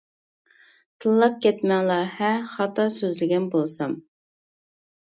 تىللاپ كەتمەڭلار ھە خاتا سۆزلىگەن بولسام.